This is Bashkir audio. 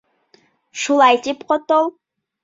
Шулай тип ҡотол!